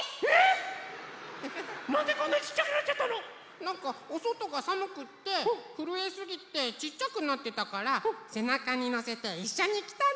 なんかおそとがさむくってふるえすぎてちっちゃくなってたからせなかにのせていっしょにきたの！